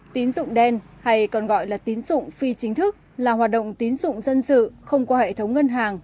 tín dụng đen hay còn gọi là tín dụng phi chính thức là hoạt động tín dụng dân sự không qua hệ thống ngân hàng